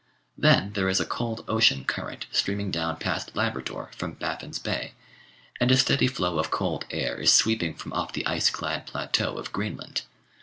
Then there is a cold ocean current streaming down past Labrador from Baffin's Bay, and a steady flow of cold air is sweeping from off the ice clad plateau of Greenland.